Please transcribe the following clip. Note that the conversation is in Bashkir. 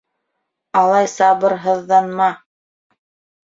Алай сабырһыҙҙанма!